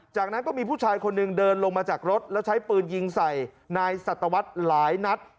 จากนั้นก็มีผู้ชายคนหนึ่งเดินลงมาจากรถแล้วใช้ปืนยิงใส่นายสัตวรรษหลายนัด